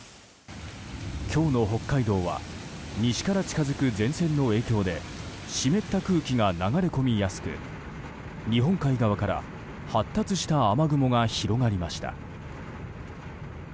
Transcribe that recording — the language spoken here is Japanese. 今日の北海道は西から近づく前線の影響で湿った空気が流れ込みやすく日本海側から発達した雨雲が広がりました。